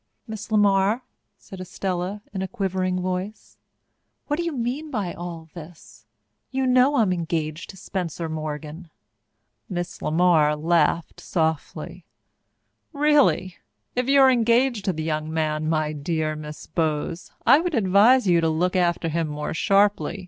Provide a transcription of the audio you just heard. "Miss LeMar," said Estella in a quivering voice, "what do you mean by all this? You know I'm engaged to Spencer Morgan!" Miss LeMar laughed softly. "Really? If you are engaged to the young man, my dear Miss Bowes, I would advise you to look after him more sharply.